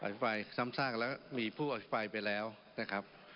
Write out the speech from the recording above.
ภิปรายซ้ำซากแล้วมีผู้อภิปรายไปแล้วนะครับ